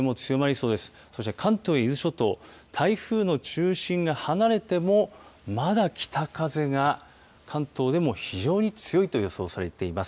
そして関東、伊豆諸島台風の中心が離れてもまだ北風が関東でも非常に強いと予想されています。